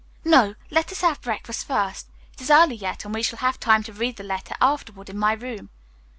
No; let us have breakfast first. It is early yet and we shall have time to read the letter afterward in my room.